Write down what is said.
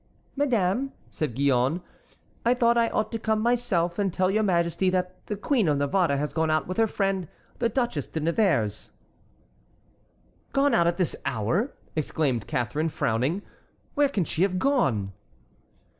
"Madame," said Gillonne, "I thought I ought to come myself and tell your majesty that the Queen of Navarre has gone out with her friend the Duchesse de Nevers"— "Gone out at this hour!" exclaimed Catharine, frowning; "where can she have gone?"